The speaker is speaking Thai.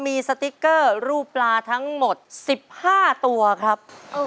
มีสติ๊กเกอร์รูปปลาทั้งหมด๑๕ตัวครับ